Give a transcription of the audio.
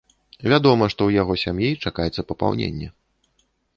Вядома, што ў яго сям'і чакаецца папаўненне.